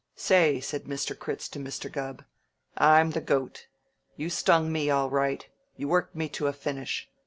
"Say," said Mr. Critz to Mr. Gubb, "I'm the goat. You stung me all right. You worked me to a finish.